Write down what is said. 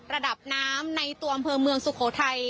ระดับน้ำในตัวอำเภอเมืองสุโขทัย